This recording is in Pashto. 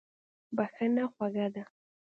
بښنه خوږه ده.